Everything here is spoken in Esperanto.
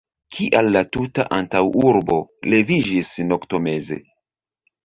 Kial la tuta antaŭurbo leviĝis noktomeze?